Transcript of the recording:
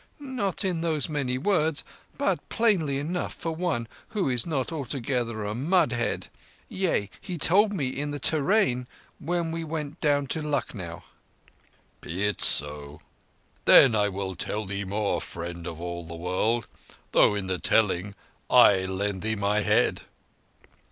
Not in those many words, but plainly enough for one who is not altogether a mud head. Yea, he told me in the te rain when we went down to Lucknow." "Be it so. Then I will tell thee more, Friend of all the World, though in the telling I lend thee my head."